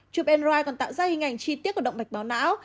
chụp android còn tạo ra hình ảnh chi tiết của động mạch máu não